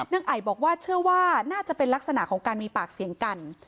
ไอบอกว่าเชื่อว่าน่าจะเป็นลักษณะของการมีปากเสียงกัน